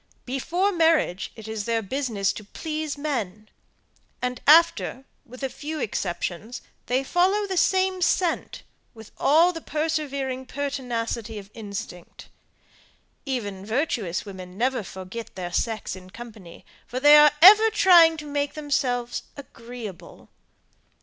Before marriage it is their business to please men; and after, with a few exceptions, they follow the same scent, with all the persevering pertinacity of instinct. Even virtuous women never forget their sex in company, for they are for ever trying to make themselves AGREEABLE.